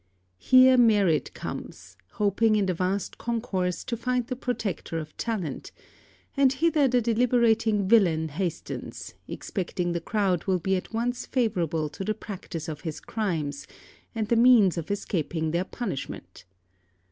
Here merit comes, hoping in the vast concourse to find the protector of talent; and hither the deliberating villain hastens, expecting the crowd will be at once favourable to the practice of his crimes, and the means of escaping their punishment.